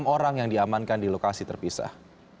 enam orang yang diamankan di lokasi terpisah